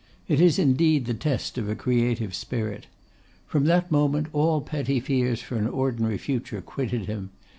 It is indeed the test of a creative spirit. From that moment all petty fears for an ordinary future quitted him.